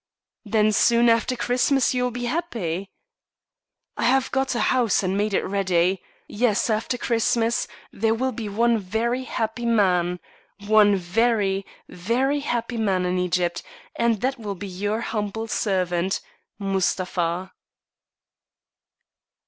"Then soon after Christmas you will be happy!" "I have got a house and made it ready. Yes. After Christmas there will be one very happy man one very, very happy man in Egypt, and that will be your humble servant, Mustapha."